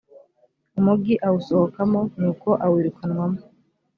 umugi awusohokamo n uko awirukanwamo